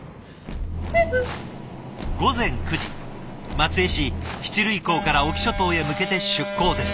松江市七類港から隠岐諸島へ向けて出港です。